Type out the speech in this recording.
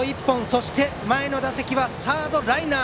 そして前の打席はサードライナー。